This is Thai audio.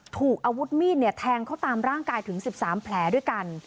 ถูกอาวุธมีดแทงเขาตามร่างกายถึง๑๓แผลด้วยกัน